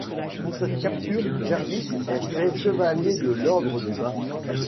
Pour cette capture, Jervis est fait chevalier de l'Ordre du Bain.